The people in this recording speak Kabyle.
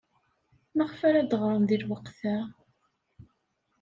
Maɣef ara d-ɣren deg lweqt-a?